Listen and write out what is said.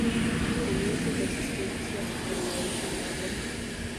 Tenía su residencia en la isla Pavón.